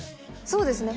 そうですね